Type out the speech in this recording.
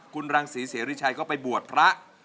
คุณรังศรีเสรีชัยก็ไปบวชพระ